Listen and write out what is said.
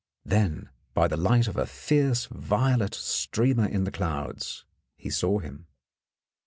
Then, by the light of a fierce violet streamer in the clouds, he saw him.